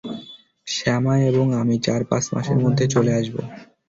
শামা এবং আমি চার-পাঁচ মাসের মধ্যে চলে আসব।